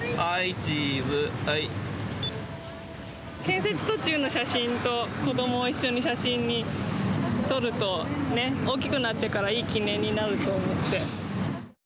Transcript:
建設途中の写真と子供を一緒に撮ると大きくなってからいい記念になると思って。